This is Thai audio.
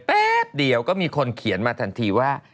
แป๊บเดียวก็มีคนเขียนมาทันทีว่า